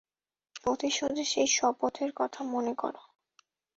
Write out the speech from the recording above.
প্রতিশোধের সেই শপথের কথা মনে করো।